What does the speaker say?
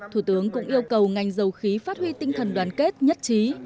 thủ tướng cũng yêu cầu ngành dầu khí phát huy tinh thần đoàn kết nhất trí